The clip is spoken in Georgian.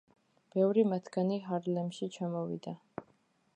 ბევრი მათგანი ჰარლემში ჩამოვიდა.